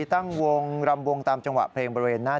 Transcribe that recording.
ตั้งวงรำวงตามจังหวะเพลงบริเวณหน้า